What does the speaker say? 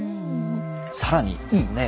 更にですね